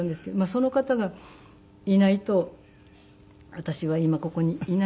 その方がいないと私は今ここにいないんですが。